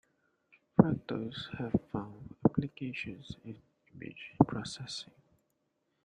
Fractals have found applications in image processing.